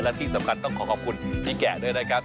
และที่สำคัญต้องขอขอบคุณพี่แกะด้วยนะครับ